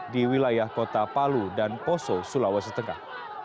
di wilayah kota palu dan poso sulawesi tengah